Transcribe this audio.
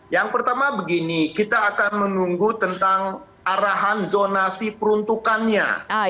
yang pertama begini kita akan menunggu tentang arahan zonasi peruntukannya